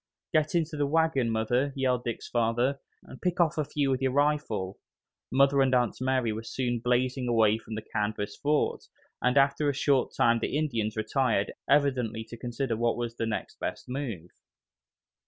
"Get into the wagon, Mother!" yelled Dick's father, "and pick off a few with your rifle!" Mother and Aunt Mary were soon blazing away from the canvas fort, and after a short time the Indians retired, evidently to consider what was the next best move.